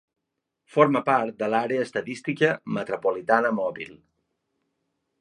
Forma part de l'àrea estadística metropolitana mòbil.